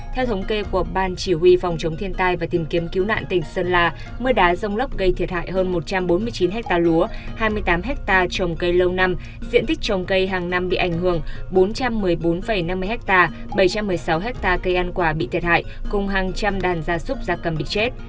theo thống kê của ban chỉ huy phòng chống thiên tai và tìm kiếm cứu nạn tỉnh sơn la mưa đá rông lốc gây thiệt hại hơn một trăm bốn mươi chín ha lúa hai mươi tám hectare trồng cây lâu năm diện tích trồng cây hàng năm bị ảnh hưởng bốn trăm một mươi bốn năm mươi ha bảy trăm một mươi sáu hectare cây ăn quả bị thiệt hại cùng hàng trăm đàn gia súc gia cầm bị chết